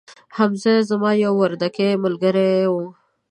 حمزه زما یو وردکې ملګري وو